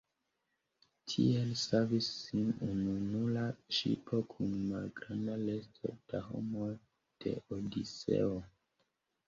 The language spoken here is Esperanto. Tiel savis sin ununura ŝipo kun malgranda resto da homoj de Odiseo.